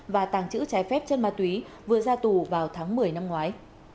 và tàng trữ trái phép chân ma túy vừa ra tù vào tháng một mươi năm ngoái